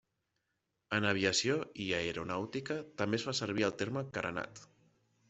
En aviació i aeronàutica, també es fa servir el terme carenat.